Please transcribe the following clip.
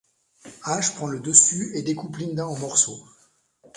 Ash prend le dessus et découpe Linda en morceaux.